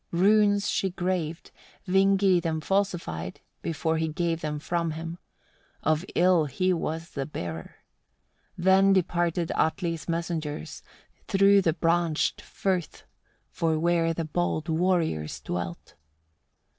4. Runes she graved, Vingi them falsified, before he gave them from him; of ill he was the bearer. Then departed Atli's messengers, through the branched firth, for where the bold warriors dwelt.